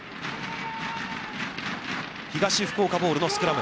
東福岡ボールのスクラム。